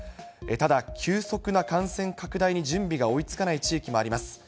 ただ、急速な感染拡大に準備が追いつかない地域もあります。